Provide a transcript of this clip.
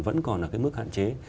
vẫn còn ở cái mức hạn chế